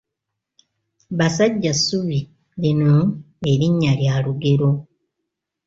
Basajjassubi; lino erinnya lya lugero.